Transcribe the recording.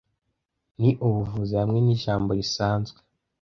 ni ubuvuzi hamwe nijambo risanzwe